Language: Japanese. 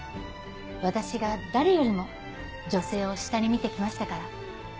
私が誰よりも女性を下に見て来ましたから。